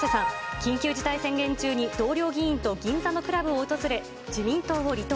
緊急事態宣言中に同僚議員と銀座のクラブを訪れ、自民党を離党。